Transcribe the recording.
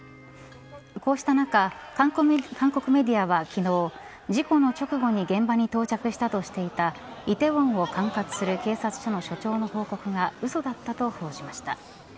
こうした中、韓国メディアは昨日、事故の直後に現場に到着したとしていた梨泰院を管轄する警察署の署長の報告がうそだったと報じました。